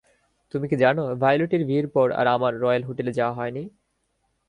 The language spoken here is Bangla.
তুমি কি জানো, ভায়োলেটের বিয়ের পর আর আমার রয়েল হোটেলে যাওয়া হয়নি।